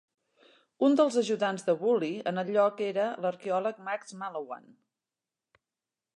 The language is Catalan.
Un dels ajudants de Woolley en el lloc era l'arqueòleg Max Mallowan.